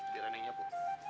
tiduran yang nyapu